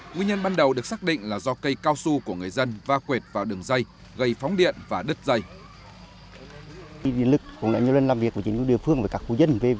nguyên nhân ban đầu được xác định là do cây cao su của người dân va quệt vào đường dây gây phóng điện và đứt dây